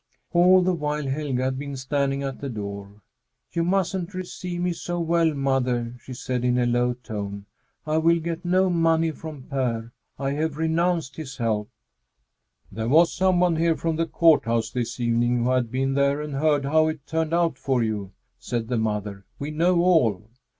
All the while Helga had been standing at the door. "You mustn't receive me so well, mother," she said in a low tone. "I will get no money from Per. I have renounced his help." "There was some one here from the Court House this evening who had been there and heard how it turned out for you," said the mother. "We know all."